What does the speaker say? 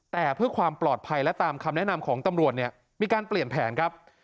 แต่เพื่อความปลอดภัยและตามคำแนะนำของตำรวจเนี่ยมีการเปลี่ยนแผนครับ